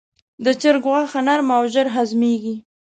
د چرګ غوښه نرم او ژر هضمېږي.